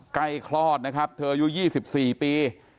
ไก่คลอดนะครับเธอยู่๒๔ปี